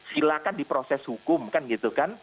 silahkan diproses hukum kan gitu kan